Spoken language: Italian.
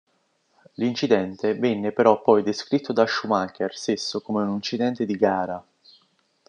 L'incidente venne però poi descritto da Schumacher stesso come un incidente di gara.